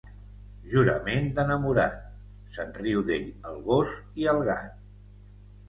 Jurament d'enamorat, se'n riu d'ell el gos i el gat.